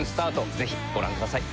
ぜひご覧ください。